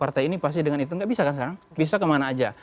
partai ini pasti dengan itu nggak bisa kan sekarang bisa kemana aja